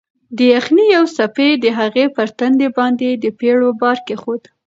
د یخنۍ یوې څپې د هغې پر تندي باندې د پېړیو بار کېښود.